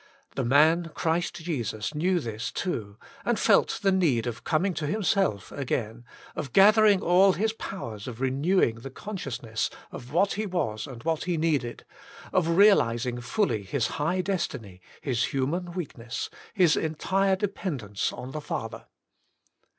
The man Christ Jesus knew this too, and felt the need of coming to Himself again, of gathering all His powers of renewing the consciousness of what He was and what He needed, of realising fully His high des tiny, His human weakness, His entire dependence on the Father.